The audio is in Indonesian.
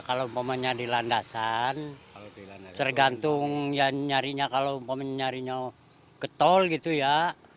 kalau umpamanya di landasan tergantung ya nyarinya kalau nyarinya ke tol gitu ya